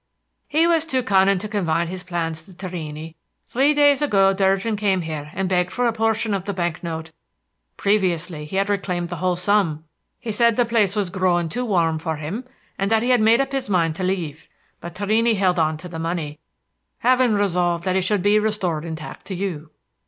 "He was too cunning to confide his plans to Torrini. Three nights ago Durgin came here and begged for a portion of the bank note; previously he had reclaimed the whole sum; he said the place was growing too warm for him, and that he had made up his mind to leave. But Torrini held on to the money, having resolved that it should be restored intact to you.